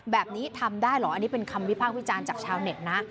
แบบนี้ทำได้เหรออันนี้เป็นคำวิพากษ์วิจารณ์จากชาวเน็ตนะ